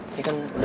ini kan udah malem